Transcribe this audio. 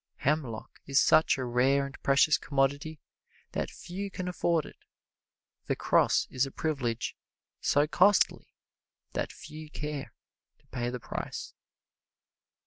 Hemlock is such a rare and precious commodity that few can afford it; the cross is a privilege so costly that few care to pay the price.